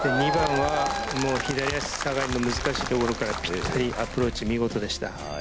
左足下がりの難しいところから、ぴったりとしたアプローチ見事でした。